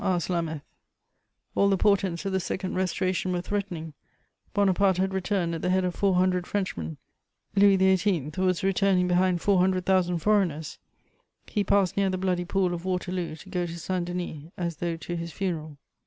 asked Lameth. All the portents of the Second Restoration were threatening: Bonaparte had returned at the head of four hundred Frenchmen, Louis XVIII. was returning behind four hundred thousand foreigners; he passed near the bloody pool of Waterloo to go to Saint Denis as though to his funeral.